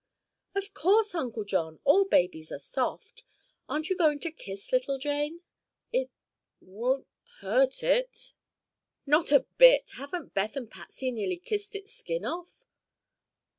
"Of course, Uncle John. All babies are soft. Aren't you going to kiss little Jane?" "It—won't—hurt it?" "Not a bit. Haven't Beth and Patsy nearly kissed its skin off?"